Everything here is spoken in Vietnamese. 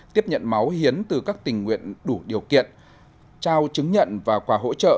tiếp nhận máu hiến từ các tình nguyện đủ điều kiện trao chứng nhận và quà hỗ trợ